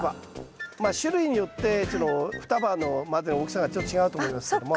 まあ種類によってちょっと双葉の大きさがちょっと違うと思いますけども。